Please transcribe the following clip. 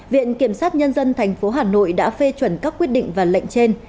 viện kiểm sát nhân dân tp hà nội đã phê chuẩn các quyết định và lệnh trên